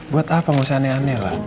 buat apa nggak usah aneh aneh lah